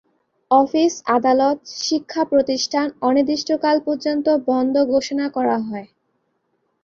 অফিস-আদালত, শিক্ষা-প্রতিষ্ঠান অনির্দিষ্টকাল পর্যন্ত বন্ধ ঘোষণা করা হয়।